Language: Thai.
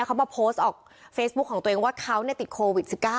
เขามาโพสต์ออกเฟซบุ๊คของตัวเองว่าเขาติดโควิด๑๙